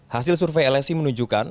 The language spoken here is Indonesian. hasil survei lsi menunjukkan